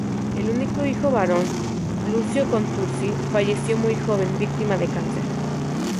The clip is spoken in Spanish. El único hijo varón, Lucio Contursi, falleció muy joven víctima de cáncer.